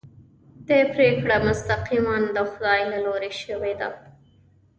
دې پرېکړه مستقیماً د خدای له لوري شوې ده.